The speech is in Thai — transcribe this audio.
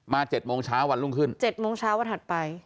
มาเจ็ดโมงเช้าวันลุงขึ้นเจ็ดโมงเช้าวันถัดไป